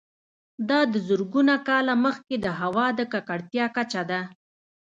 دا د زرګونه کاله مخکې د هوا د ککړتیا کچه ده